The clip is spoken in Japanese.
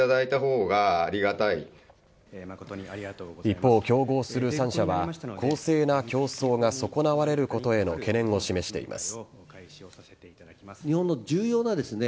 一方、競合する３社は公正な競争が損なわれることへの懸念を示しています。